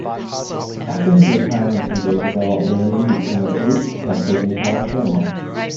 After his retirement from baseball, Romine became a police detective in California.